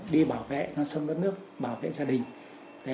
đi bảo vệ non sông đất nước bảo vệ gia đình